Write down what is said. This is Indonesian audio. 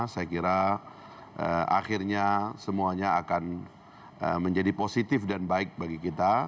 saya kira akhirnya semuanya akan menjadi positif dan baik bagi kita